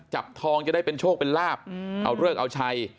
จับทองจะได้เป็นโชคเป็นลาบเอาเลิกเอาชัย